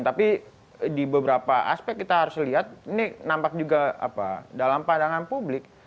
tapi di beberapa aspek kita harus lihat ini nampak juga dalam pandangan publik